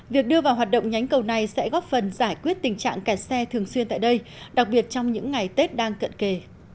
việc đưa vào hoạt động nhánh cầu này sẽ góp phần giải quyết tình trạng kẹt xe thường xuyên tại đây đặc biệt trong những ngày tết đang cận kề